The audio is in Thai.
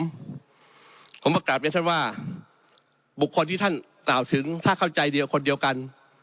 ผมก็กลับยังฉันว่าบุคคลที่ท่านต่อถึงถ้าเข้าใจคนเดียวกัน